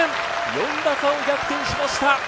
４打差を逆転しました！